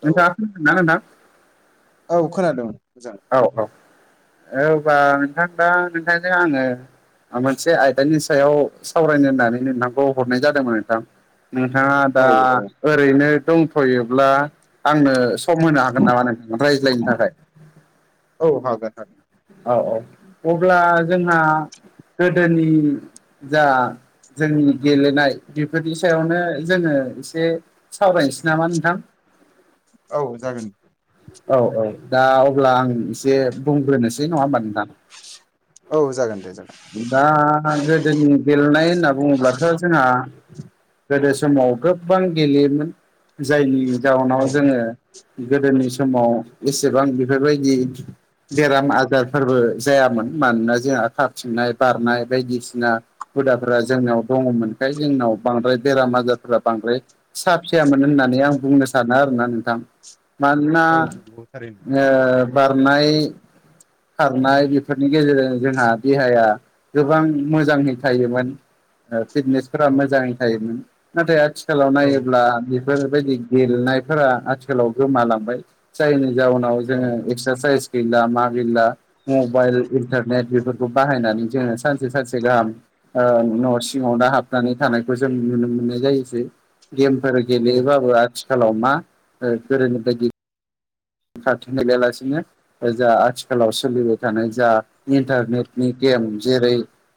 औ नोंथाङा [unintelligible] औ खोनादों मोजां औ औ। औ होमबा नोंथां दा नोंथांजों आङो आ मोनसे आयदानि सायाव सावरायनो होननानै नोंथांखौ हरनाय जादोंमोन नोंथां। नोंथाङा औ दा औ ओरैनो दंथ'योब्ला आंनो सम होनो हागोन नामा नोंथां रायज्लायनो थाखाय औ हागोन हागोन। औ-औ अब्ला जोंहा गोदोनि जा जोंनि गेलेनाय बेफोरनि सायावनो जोङो एसे सावरायनोसै नामा नोंथां? औ जागोन औ औ दा अब्ला आं एसे बुंग्रोनोसै नङा होमबा नोंथां? औ जागोन दे जागोन। दा गोदोनि गेलेनाय होनना बुङोब्लाथ' जोंहा गोदो समाव गोबां गेलेयोमोन जायनि औ जाउनाव जोङो गोदोनि समाव एसेबां बेफोरबायदि बेराम आजारफोरबो जायामोन मानोना जोंहा खाफथिंनाय बारनाय बायदिसिना हुदाफोरा जोंनाव दङमोनखाय जोंनाव बांद्राय बेराम आजारफोरा बांद्राय फिसा फिसायामोन होननानै आं बुंनो सानो आरोना नोंथां। मानोना औ नंगौ थारैनो ओ बारनाय खारनाय बेफोरनि गेजेरजों जोंहा देहाया गोबां मोजाङै थायोमोन। ओ फिटनेसफोरा औ मोजाङै थायोमोन नाथाय आथिखालाव औ नायोब्ला बे बेफोरबायदि गेलेनायफोरा आथिखालाव गोमालांबाय जायनि जाउनाव औ जोङो एक्ससाइस गैला मा गैला मबाइल इन्टारनेट बेफोरखौ बाहायनानै जोङो सानसे सानसे गाहाम ओ न' सिङाव दा हाबनानै थानायखौ जों नुनो मोननाय जायोसै गेमफोर औ गेलेयोबाबो आथिखालाव मा ओ गोदोनि बायदि [unintelligible] गेलेया लासिनो जा आथिखालाव सोलिबाय थानाय जा इन्टारनेटनि गेम जेरै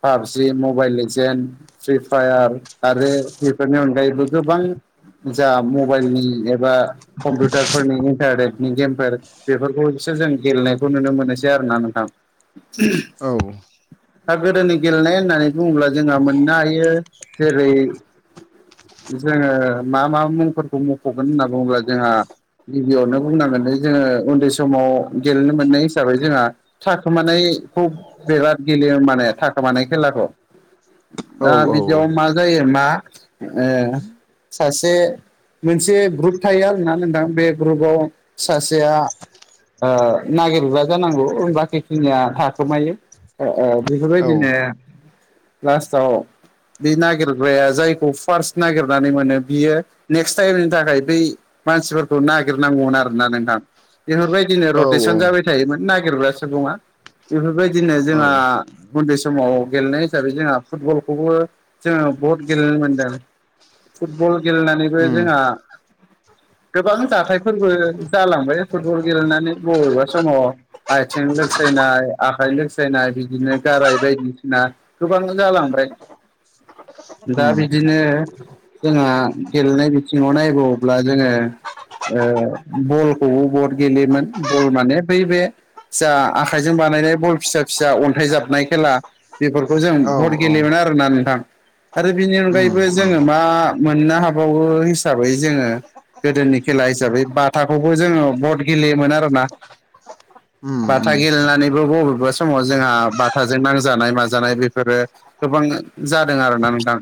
पाबजि मबाइल लेजेेन फ्रि फायार आरो बेफोरनि अनगायैबो गोबां जा मबाइलनि एबा कम्पिउटारफोरनि इन्टारनेट नि गेमफोर बेफोरखौ एसे जों गेलेनायखौ नुनो मोनोसै आरोना नोंथां। औ दा गोदोनि गेलेनाय होननानै बुङोब्ला जोंहा मोननो हायो जेरै जोङो मा मा मुंफोरखौ मख'गोन होनना बुङोब्ला जोंहा गिबियावनो बुंनांगोन जोङो उन्दै समाव गेलेनो मोननाय हिसाबै जोंहा थाखोमानायखौ बिराद गेलेयो माने थाखोमानाय खेलाखौ। दा बिदियाव मा जायो मा ओ सासे मोनसे ग्रुप थायो आरोना नोंथां बे ग्रुपाव सासेया ओ नागिरग्रा जानांगौ बाखि खिनिया थाखोमायो। ओ ओ औ बेफोरबायदिनो लास्टाव बे नागिरग्राया जायखौ फार्स्ट नागिरनानै मोनो बियो नेक्स्ट टाइमनि थाखाय बै मानसिफोरखौ नागिरनांगौमोन आरो। ना नोंथां बेफोरबायदिनो औ रटेसन जाबाय थायोमोन नागिरग्रा सुबुङा। बेफोरबायदिनो औ जोंहा उन्दै समाव गेलेनाय हिसाबै जोंहा फुटबलखौबो जोङो बहुद गेलेनो मोनदों फुटबल गेलेनानैबो जोंहा गोबां जाथायफोरबो जालांबाय फुटबल गेलेनानै बबेबा समाव आथिं लोंसायनाय आखाइ लोंसायनाय बिदिनो गाराय बायदिसिना गोबां जालांबाय उम दा बिदिनो जोंहा गेलेनाय बिथिङाव नायबावोब्ला जोङो ओ बलखौबो बहुद गेलेयोमोन बल माने बै बे जा आखाइजों बानायनाय बल फिसा फिसा अन्थाइ जाबनाय खेला बेफोरखौ जों उम औ भट औ गेलेयोमोन आरोना नोंथां। आरो बिनि उम अनगायैबो उम जोङो मा मोननो हाबावो हिसाबै जोङो गोदोनि खेला हिसाबै बाथाखौबो जोङो भट गेलेयोमोन आरोना। उम बाथा उम गेलेनानैबो बबेबा समाव जोंहा बाथाजों नांजानाय माजानाय बेफोरो गोबां जादों आरोना नोंथां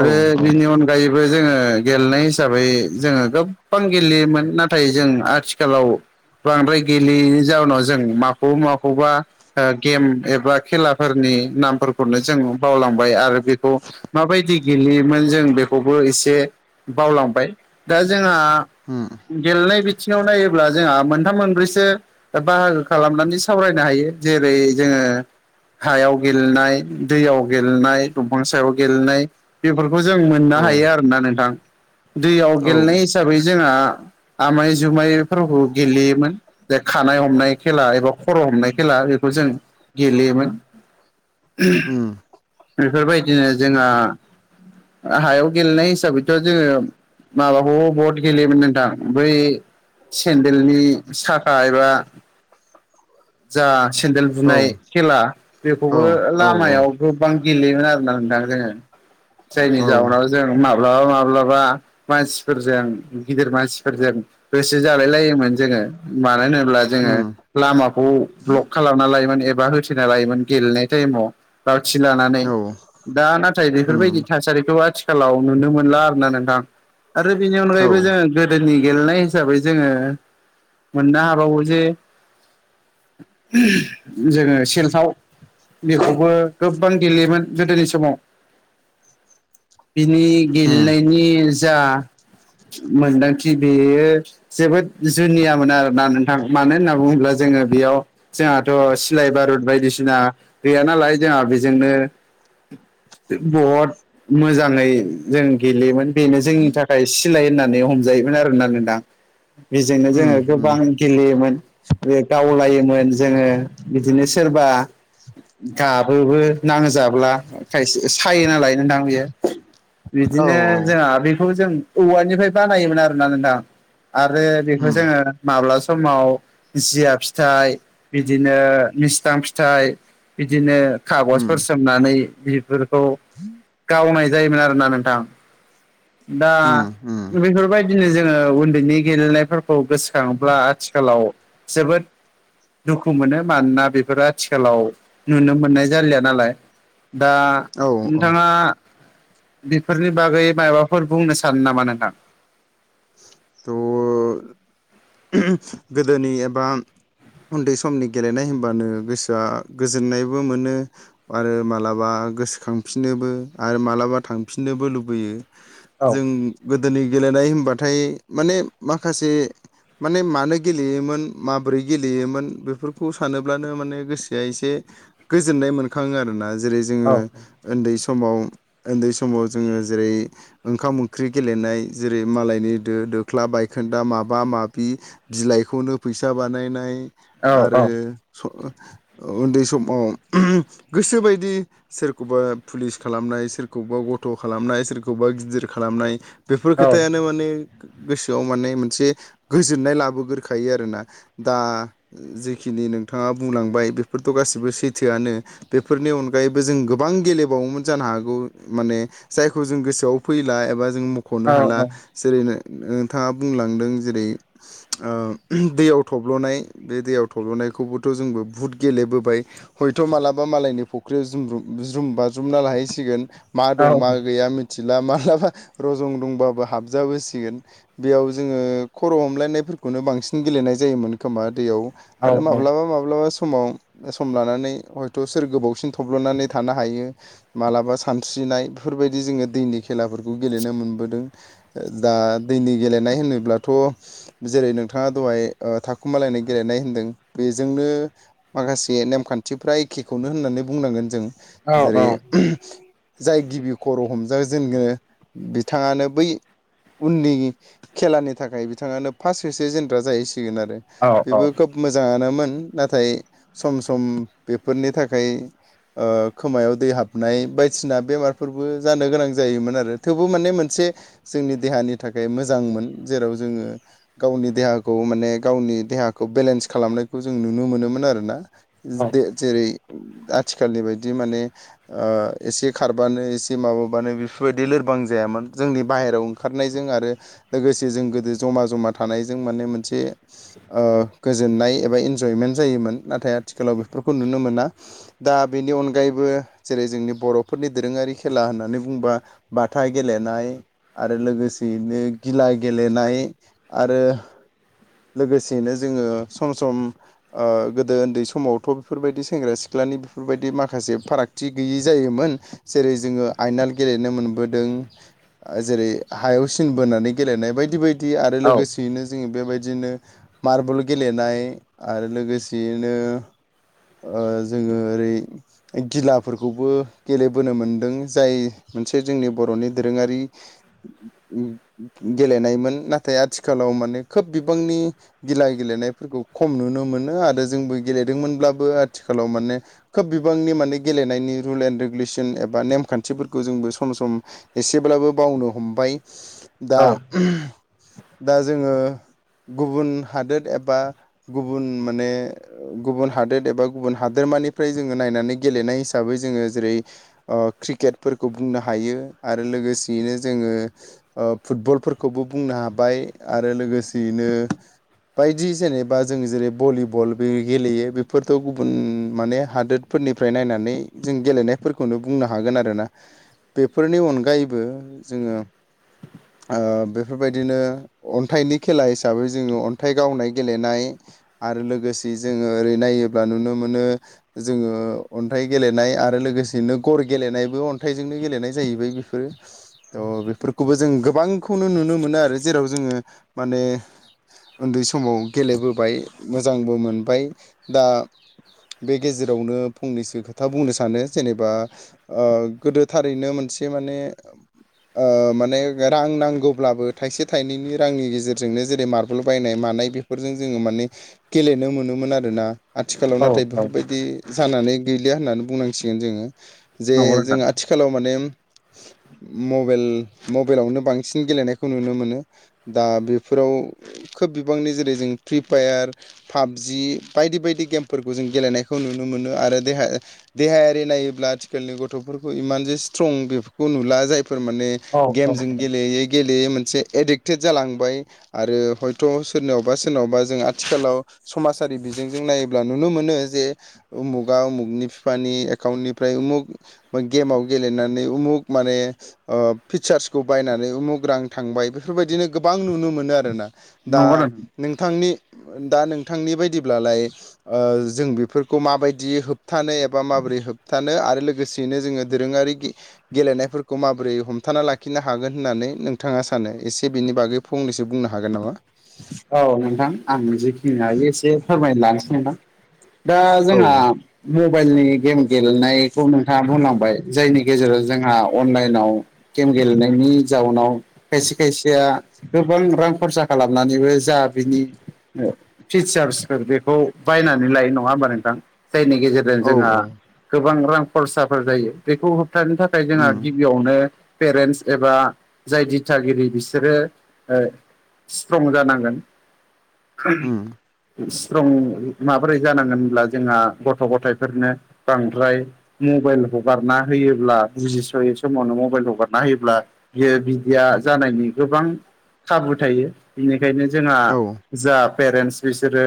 औ बिनि अनगायैबो जोङो गेलेनाय हिसाबै जोङो गोबां गेलेयोमोन नाथाय जों आथिखालाव बांद्राय गेलेयैनि जाउनाव जों माखौबा माखौबा ओ गेम एबा खेलाफोरनि नामफोरखौनो जों बावलांबाय आरो बेखौ माबायदि गेलेयोमोन जों बेखौबो एसे बावलांबाय दा जोंहा उम गेलेनाय बिथिङाव नायोब्ला जोंहा मोनथाम मोनब्रैसो बाहागो खालामनानै सावरायनो हायो जेरै जोङो हायाव गेलेनाय दैयाव गेलेनाय दंफां सायाव गेलेनाय बेफोरखौ जों मोननो औ हायो आरोना नोंथां दैयाव औ गेलेनाय हिसाबै जोंहा आमाय जुमाय फोरबो गेलेयोमोन जे खानाय हमनाय खेला एबा खर' हमनाय खेला बेखौ जों गेलेयोमोन उम बेफोरबायदिनो जोंहा हायाव गेलेनाय हिसाबैथ' जोङो माबाखौ गेलेयोमोन नोंथां बै सेन्देलनि साखा एबा जा सेन्देल औ बुनाय खेला बेखौबो औ उम औ लामायाव गोबां गेलेयोमोन आरो ना नोंथां जोङो जायनि उम जाउनाव जों माब्लाबा माब्लाबा मानसिफोरजों गिदिर मानसिफोरजों होसो जालाय लायोमोन जोङो मानो होनोब्ला जोङो लामाखौ ब्लक खालामना लायोमोन एबा होथेना लायोमोन गेलेनाय टाइमाव लावथि लानानै औ दा नाथाय बेफोरबायदि थासारिखौ आथिखालाव नुनो मोनला आरोना नोंथां आरो बिनोनो अगायै बेबो जोङो गोदोनि गेलेनाय हिसाबै जोङो मोननो हाबावो जे जोङो सेलथाव बेखौबो गोबां गेलेयोमोन गोदोनि समाव बिनि उम गेलेनायनि जा मोनदांथि बे जोबोद जुनियामोन आरोना नोंथां मानो होनना बुङोब्ला जोङो बेयाव जोंहाथ' सिलाय बारुद बायदिसिना गैया नालाय जोंहा बेजोंनो बहुद मोजाङै जों गेलेयोमोन बेनो जोंनि थाखाय सिलाय होननानै हमजायोमोन आरोना नोंथां बेजोंनो उम जोङो उम गोबां गेलेयोमोन बे गावलायोमोन जोङो बिदिनो सोरबा गाबोबो नाङो जाब्ला खायसे सायो नालाय नोंथां बियो औ बिदिनो उम जोंहा बेखौ जों औवानिफ्राय बानायोमोन आरोना नोंथां आरो बेखौ जोङो माब्ला समाव जिया फिथाइ बिदिनो मिसथां फिथाइ बिदिनो उम खागजफोर सोमनानै बिफोरखौ गावनाय जायोमोन आरोना नोंथां दा उम उम बेफोरबायदिनो जोङो उनदैनि गेलेनायफोरखौ गोसोखाङोला आथिखालाव जोबोद दुखु मोनो मानोना बेफोरो आथिखालाव नुनो मोननाय जालिया नालाय दा औ औ नोंथाङा बेफोरनि बागै माबाफोर बुंनो सानो नामा नोंथां? थ' गोदोनि एबा उनदै समनि गेलेनाय होनबानो गोसोआ गोजोननायबो मोनो आरो मा्लाबा गोसोखांफिननोबो आरो मालाबा थांफिननोबो लुबैयो औ जों गोदोनि गेलेनाय होनबाथाय माने माखासे माने मानो गेलेयोमोन माब्रै गेलेयोमोन बेफोरखौ सानोब्लानो माने गोसोआ एसे गोजोननाय मोनखाङो आरोना जेरै औ जोङो उनदै समाव उनदै समाव जोङो जेरै ओंखाम ओंख्रि गेलेनाय जेरै मालायनि दो दोख्ला बायखोनदा माबा माबि बिलाइखौनो फैसा बानायनाय औ आरो उनदै समाव गोसोबायदि सोरखौबा पुलिस खालामनाय सोरखौबा गथ' खालामनाय सोरखौबा गिदिर खालामनाय बेफोर खोथायानो माने गोसोआव माने मोनसे गोजोननाय ला बो गोरखायो आरोना दा जेखिनि नोंथाङा बुंलांबाय बेफोरथ' गासिबो सैथोआनो बेफोरनि अनगायैबो जों गोबां गेलेबावोमोन जानो हागौ माने जायखौ जों गोसोआव फैला एबा जों म ख'नो हाला जेरै नोंथाङा बुंलांदों जेरै ओ दैयाव थब्ल'नाय बे दैयाव थब्ल'नायखौबोथ' जोंबो बुहुद गेलेबोबाय हयथ' मालाबा मालायनि फुख्रियाव जुमब्रु ज्रुम बाज्रुमना लाहैसिगोन मा दं मा गैया मिथिला माब्लाबा रजं दंबाबो हाबजाबोसिगोन बेयाव जोङो खर' हमलायनायफोर खौनो बांसिन गेलेनाय जायोमोन खोमा दैयाव आरो माब्लाबा माब्लाबा स समाव सम लानानै हयथ' सोर गोबावसिन थब्ल'नानै थानो हायो मालाबा सानस्रिनाय बेफोरबायदि जोङो दैनि खेलाफोरखौ गेलेनो मोनबोदों दा दैनि गेलेनाय होनोब्लाथ' जेरै नोंथाङा दहाय थाखुमालायनाय गेलेनाय होनदों बेजोंनो माखासे नेमखान्थिफ्रा एखेखौनो होननानै बुंनांगोन जों जेरै जाय गिबि खर' हमजा जेनगोन बिथाङानो बै उननि खेलानि थाखाय बिथाङानो फार्स्ट होसो जेनग्रा जाहैसिगोन आरो बेबो खोब मोजाङानोमोन नाथाय सम सम बेफोरनि थाखाय खोमायाव दै हाबनाय बायदिसिना बेमारफोरबो जानो गोनां जायोमोन आरो थेवबो माने मोनसे जोंनि देहानि थाखाय मोजांमोन जेराव जोङो गावनि देहाखौ माने गावनि देहाखौ बेलेन्स खालामनायखौ जों नुनो मोनोमोन आरोना जेरै आथिखालनि बायदि माने ओ एसे खारबानो एसे माबाबानो बेफोरबायदि लोरबां जायामोन जोंनि बाहेरायाव ओं ओंखारनायजों आरो लोगोसे जों गोदो जमा जमा थानायजों माने मोनसे ओ गोजोननाय एबा इन्जयमेन्ट जायोमोन नाथाय आथिखालाव बेफोरखौ नुनो मोना दा बेनि अनगायैबो जेरै जोंनि बर'फोरनि दोरोङारि खेला होननानै बुङोबा बाथा गेलेनाय आरो लोगोसेयैनो गिला गेलेनाय आरो लोगोसेनो जोङो सम सम गोदो उन्दै समावथ' बेफोरबायदि सेंग्रा सिख्लानि बेफोरबायदि माखासे फारागथि गैयि जायोमोन जेरै जोङो आयनाल गेलेनो मोनबोदों जेरै हायाव सिन बोनानै गेलेनाय बायदि बायदि आरो लोगो नो जोङो बेबायदिनो मार्बल गेलेनाय आरो लोगोसेयैनो जोङो ओरै गिलाफोरखौबो गेलेबोनो मोनदों जाय मोनसे जोंनि बर'नि दोरोङारि [inaudible] गेलेनायमोन नाथाय आथिखालाव माने खोब बिबांनि गिला गेलेनायफोरखौ खम नुनो मोनो आरो जोंबो गेलेदोंमोनब्लाबो आथिखालाव माने खोब बिबांनि माने गेलेनायनि रुल एन्ड रेगुलेसन एबा नेमखान्थिफोरखौ जोंबो सम सम एसेब्लाबो बावनो हमबाय औ दा दा जोङो गुबुन हादोर एबा गुबुन माने गुबुन हादोर एबा गुबुन हादोरमानिफ्राय जोङो नायनानै गेलेनाय हिसाबै जोङो जेरै ओ क्रिकेटफोरखौ बुंनो हायो आरो लोगोसेयैनो जोङो फुटबलफोरखौबो बुंनो हाबाय आरो लोगोसेयैनो बायदि जेनेबा जों जेरै भलिबल बे गेलेयो बेफोरथ' गुबुन माने हादोर फोरनिफ्राय नायनानै जों गेलेनायफोरखौनो बुंनो हागोन आरोना बेफोरनि अनगायैबो जोङो बेफोरबाय दिनो अन्थाइनि खेला हिसाबै जोङो अन्थाइ गावनाय गेलेनाय आरो लोगोसे जोङो ओरै नायोब्ला नुनो मोनो जोङो अन्थाइ गेलेनाय आरो लोगोसेयैनो गर गेलेनायबो अन्थाइजोंनो गेलेनाय जाहैबाय बेफोरो थ' बेफोरखौबो जों गोबांखौनो नुनो मोनो आरो जेराव जोङो माने उन्दै समाव गेलेबोबाय मोजांबो मोनबाय दा बे गेजेरावनो फंनैसो खोथा बुंनो सानो जेनेबा गोदो थारैनो मोनसे माने माने रां नांगौब्लाबो थाइसे थाइनैनि रांनि गेजेरजोंनो जेरै मार्बल बायनाय मानाय बेफोरजों जोङो माने गेलेनो मोनोमोन आरो ना आथिखालाव नाथाय औ बेफोरबायदि जानानै गैलिया होननानै बुंनांसिगोन जोङो जे नंगौ जों नोंथां आथिखालाव माने मबेल मबेलावनो बांसिन गेलेनाय खौ नुनो मोनो दा बेफोराव खोब बिबांनि जेरै जों फ्रि फायार पाबजि बायदि बायदि गेमफोरखौ जों गेलेनायखौ नुनो मोनो आरो देहा देहायारि नायोब्ला आथिखालनि गथ'फोरखौ इमान जे सित्रं बेफोरखौ नुला जायफोर माने औ गेमजों गेलेयै गैलेयै मोनसे एडिक्टेड जालांबाय आरो हयथ' सोरनावबा सोरनावबा जों आथिखालाव समाजारि बिजोंजों नायोब्ला नुनो मोनो जे उमुगा उमुगनि बिफानि एकाउन्टनिफ्राय उमुग गेमाव गेलेनानै उमुख माने फिसार्सखौ बायनानै उमुख रां थांबाय बेफोरबायदिनो गोबां नुनो मोनो आरोना दा नंगौ नोंथां नोंथांनि दा नोंथांनि बायदिब्लालाय जों बेफोरखौ माबायदि होबथानो एबा माबोरै होबथानो आरो लो गोसेयैनो जोङो दोरोङारि गेलेनायफोरखौ माबोरै हमथाना लाखिनो हागोन होननानै नों नोंथाङा सानो एसे बेनि बागै फंनैसो बुंनो हागोन नामा औ नोंथां आं जिखिनि हायो एसे फोरमायलांनोसै नोंथां दा औ जोंहा मबाइलनि गेम गेलेनायखौ नोंथाङा बुंलांबाय जायनि गेजेराव जोंहा अनलाइनाव गेम गेलेनायनि जाउनाव खायसे खायसेया गोबां रां खरसा खालामनानैबो जा बिनि फिचार्सफोर बेखौ बायनानै लायो नङा होमबा नोंथां जायनि गेजेर औ जोंहा औ गोबां रां खरसाफोर जायो बेखौ होबथानो थाखाय जोंहा उम गि बियावनो पेरेन्टस एबा जाय दिथागिरि बिसोरो ओ स्ट्रं जानांगोन उम स्ट्रं माबोरै जानांगोन होनब्ला जोंहा गथ' गथायफोरनो बांद्राय मबाइल हगारना होयोब्ला बुजिस'यै समावनो मबाइल हगारना होयोब्ला बियो बिदिया जानायनि गोबां खाबु थायो बेनिखायनो जोंहा औ जा पेरेन्टस बिसोरो